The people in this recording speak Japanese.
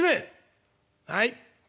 「はい。